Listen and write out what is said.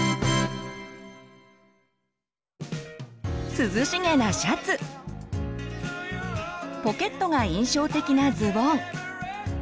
涼しげなシャツポケットが印象的なズボン